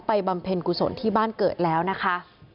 บำเพ็ญกุศลที่บ้านเกิดแล้วนะคะ